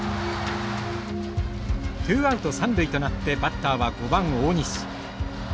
ツーアウト三塁となってバッターは５番大西。